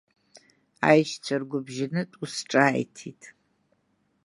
Аишьцәа ргәыбжьанытә ус ҿааиҭит…